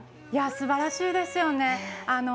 すばらしいですよね。